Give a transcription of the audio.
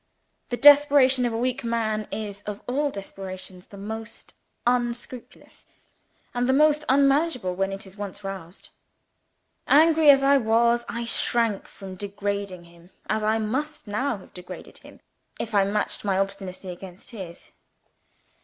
The desperation of a weak man is, of all desperations, the most unscrupulous and the most unmanageable when it is once roused. Angry as I was, I shrank from degrading him, as I must now have degraded him, if I matched my obstinacy against his.